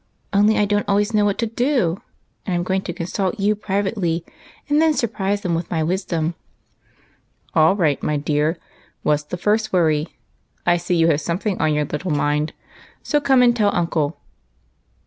do, and I 'm going to consult you privately and then surprise them with my wisdom." " All right, my dear ; what 's the first worry ? I see you have something on your little mind, so come and tell uncle."